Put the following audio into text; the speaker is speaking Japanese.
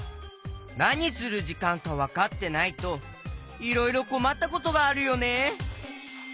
なにするじかんかわかってないといろいろこまったことがあるよね。